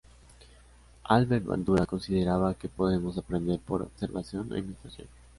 Albert Bandura consideraba que podemos aprender por observación o imitación.